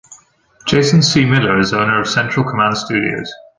Jason C. Miller is owner of Central Command Studios.